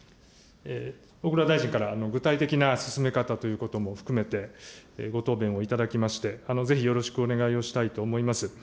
小倉大臣から具体的な進め方ということも含めて、ご答弁を頂きまして、ぜひよろしくお願いをしたいと思います。